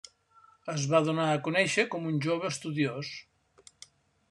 Es va donar a conèixer com un jove estudiós.